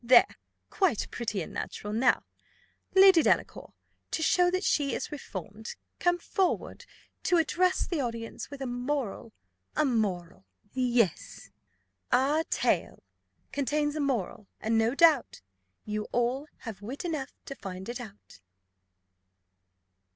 There! quite pretty and natural! Now, Lady Delacour, to show that she is reformed, comes forward to address the audience with a moral a moral! Yes, "Our tale contains a moral; and, no doubt, You all have wit enough to find it out.